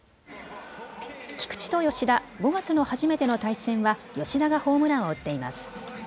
菊池と吉田、５月の初めての対戦は吉田がホームランを打っています。